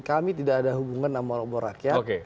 kami tidak ada hubungan sama obor rakyat